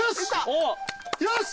よし！